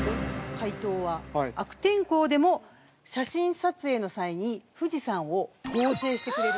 ◆解答は、悪天候でも写真撮影の際に富士山を合成してくれる。